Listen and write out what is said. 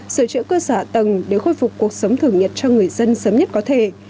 sửa chữa cơ sở tầng để khôi phục cuộc sống thường nhật cho người dân sớm nhất có thể